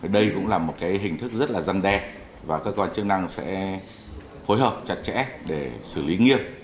đây cũng là một hình thức rất là răn đe và cơ quan chức năng sẽ phối hợp chặt chẽ để xử lý nghiêm